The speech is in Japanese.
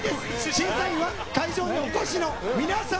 審査員は会場にお越しの皆様。